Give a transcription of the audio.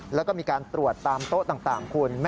แล้วก็มีการตรวจตามโต๊ะต่างคุณ